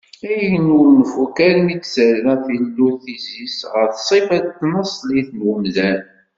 Ayen ur nfukk armi t-terra tillut Izis ɣer ṣṣifa-s tanaṣlit n wemdan.